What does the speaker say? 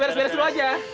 beres beres dulu aja